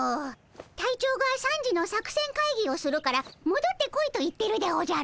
隊長が３時の作戦会議をするからもどってこいと言ってるでおじゃる。